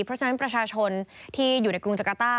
เพราะฉะนั้นประชาชนที่อยู่ในกรุงจักรต้า